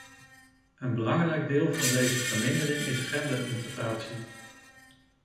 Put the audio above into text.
Een belangrijk deel van deze vermindering is genderintegratie.